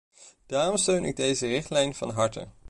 Daarom steun ik deze richtlijn van harte.